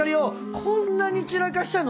こんなに散らかしたの？